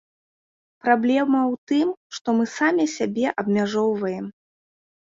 Праблема ў тым, што мы самі сябе абмяжоўваем.